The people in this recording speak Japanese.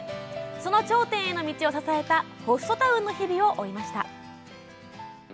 その頂点への道を支えたホストタウンの日々を追いました。